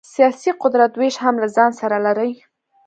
سیاسي قدرت وېش هم له ځان سره لري.